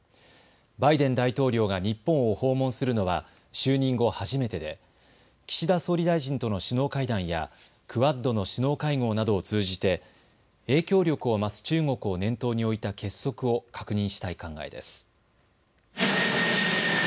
バイデン大統領が日本を訪問するのは就任後初めてで岸田総理大臣との首脳会談やクアッドの首脳会合などを通じて影響力を増す中国を念頭に置いた結束を確認したい考えです。